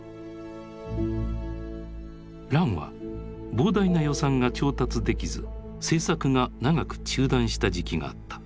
「乱」は膨大な予算が調達できず製作が長く中断した時期があった。